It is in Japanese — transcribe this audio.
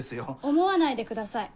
思わないでください。